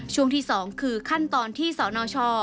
ช่วงที่๒คือขั้นตอนที่สนช